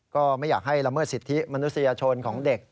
ก็ไม่อยากให้ละเมิดสิทธิมนุษยชนของเด็ก